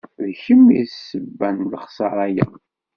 D kemm i d ssebba n lexsara-ya.